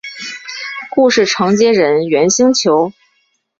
故事承接人猿星球。